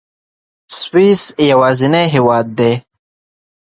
سویس یوازینی هېواد دی.